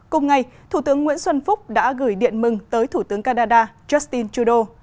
cùng ngày thủ tướng nguyễn xuân phúc đã gửi điện mừng tới thủ tướng canada justin trudeau